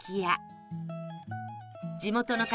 地元の方